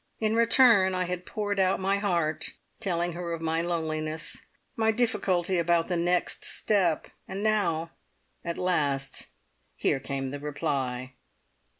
In return, I had poured out my heart, telling her of my loneliness, my difficulty about the next step, and now, at last, here came the reply.